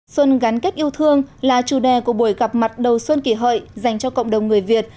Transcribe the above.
xuân gắn kết yêu thương là chủ đề của buổi gặp mặt đầu xuân kỷ hợi dành cho cộng đồng người việt